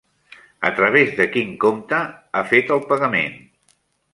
A través de quin compte ha fet el pagament?